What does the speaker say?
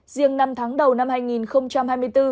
riêng năm tháng đầu năm hai nghìn hai mươi bốn